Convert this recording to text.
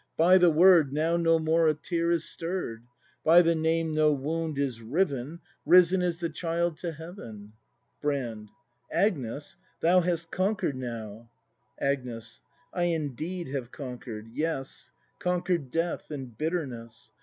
By the word Now no more a tear is stirr'd; By the name no wound is riven, Risen is the child to heaven! Brand. Agnes! Thou hast conquered now' Agnes. I indeed have conquer'd. Yes; Conquer'd death and bitterness!